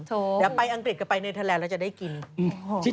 เดี๋ยวไปอังกฤษกับไปเนเธอร์แลนดแล้วจะได้กิน